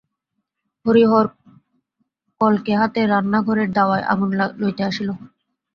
হরিহর কলকে হাতে রান্নাঘরের দাওয়ায় আগুন লাইতে আসিল।